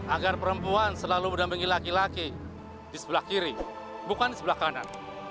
agar perempuan selalu mendampingi laki laki di sebelah kiri bukan di sebelah kanan